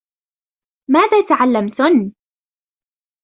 ماذا تعلّمتنّ ؟